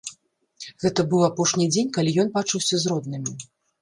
Гэта быў апошні дзень, калі ён бачыўся з роднымі.